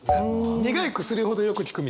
苦い薬ほどよく効くみたいな？